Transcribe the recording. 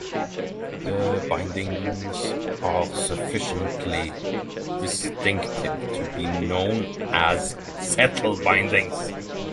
The bindings are sufficiently distinctive to be known as "Settle bindings".